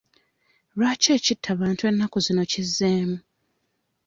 Lwaki ekittabantu ennaku zino kizzeemu?